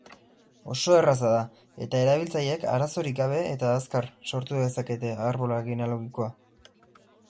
Oso erraza da eta erabiltzaileek arazorik gabe eta azkar sortu dezakete arbola genealogikoa.